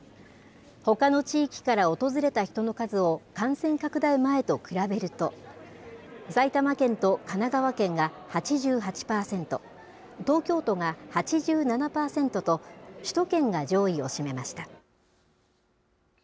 ほかの地域から訪れた人の数を感染拡大前と比べると、埼玉県と神奈川県が８８％、東京都が８７％と、首都圏が上位を占めました。